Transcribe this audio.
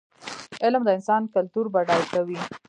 علم د انسان کلتور بډای کوي.